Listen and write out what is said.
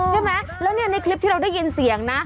ใช่ไหมแล้วเนี่ยในคลิปที่เราได้ยินเสียงนะ